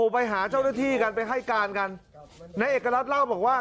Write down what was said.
ไปหาเจ้าหน้าที่กันไปให้การกันนายเอกรัฐเล่าบอกว่า